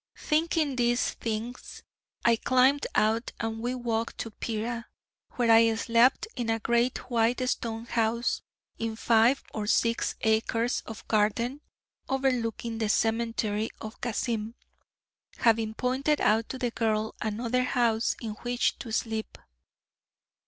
Thinking these things I climbed out, and we walked to Pera, where I slept in a great white stone house in five or six acres of garden overlooking the cemetery of Kassim, having pointed out to the girl another house in which to sleep.